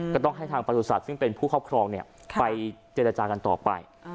ก็ต้องให้ทางบริษัทซึ่งเป็นผู้ครอบครองเนี่ยไปเจรจากันต่อไป